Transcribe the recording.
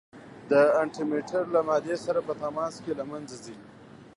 د انټي مټر له مادې سره په تماس کې له منځه ځي.